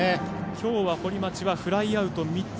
きょうは堀町はフライアウト３つ。